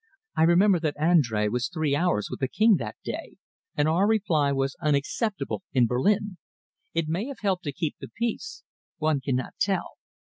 I remember that Andrea was three hours with the King that day, and our reply was unacceptable in Berlin. It may have helped to keep the peace. One cannot tell.